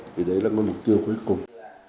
vì đấy là mục tiêu cuối cùng